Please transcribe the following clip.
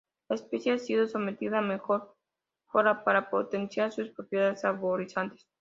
La especie ha sido sometida a mejora para potenciar sus propiedades saborizantes.